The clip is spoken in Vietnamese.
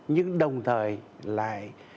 nhưng đồng thời lại